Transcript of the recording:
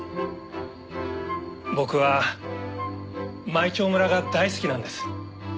僕は舞澄村が大好きなんです。